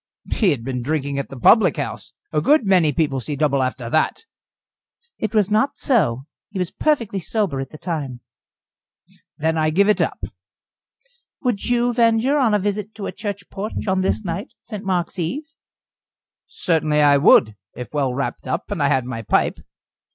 "He had been drinking at the public house. A good many people see double after that." "It was not so. He was perfectly sober at the time." "Then I give it up." "Would you venture on a visit to a church porch on this night St. Mark's eve?" "Certainly I would, if well wrapped up, and I had my pipe."